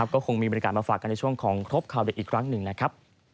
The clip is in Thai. ก็คงมีบริการมาฝากกันในช่วงของครบข่าวเด็กอีกครั้งหนึ่งนะครับ